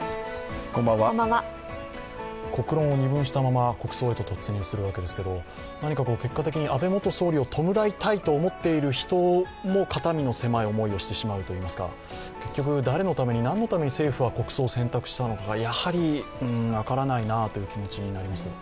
国論を二分したまま国葬へと突入するわけですが、何か結果的に安倍元総理を弔いたいと思っている人も肩身の狭い思いをしてしまうといいますか、結局誰のために、何のために政府は国葬を選択したのか、やはり分からないなという気持ちになります。